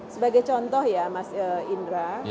sebagai contoh ya mas indra